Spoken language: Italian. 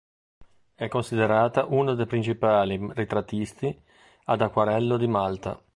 È considerata uno dei principali ritrattisti ad acquerello di Malta.